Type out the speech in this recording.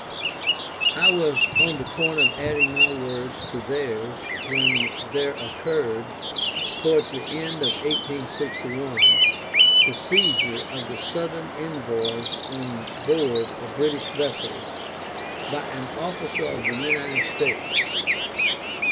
I was on the point of adding my words to theirs, when there occurred, towards the end of 1861, the seizure of the Southern envoys on board a British vessel, by an officer of the United States.